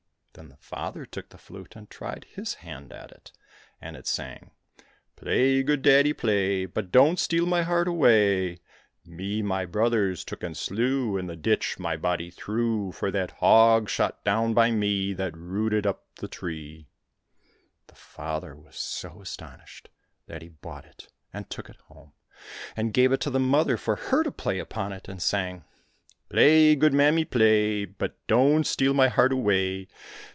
" Then the father took the flute and tried his hand at it, and it sang :Play , good daddy , play , But don't steal my heart away ! 1 68 THE THREE BROTHERS Me my brothers took and sleWy In the ditch my body threw ^ For that hog shot down by we, That rooted up the tree I " The father was so astonished that he bought it, and took it home, and gave it to the mother for her to play upon it, and it sang :" Play^ good mammy, play. But don't steal my heart away